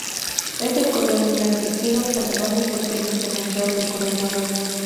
Es de color blanquecino por debajo, fuertemente manchado de color marrón.